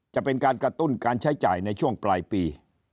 จะเป็นการกระตุ้นการใช้จ่ายในช่วงปลายปี